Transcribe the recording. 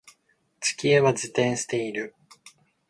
地球は自転している